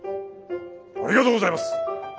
ありがとうございます。